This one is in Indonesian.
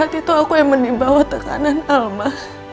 saat itu aku intended believe bahwa tekanan alma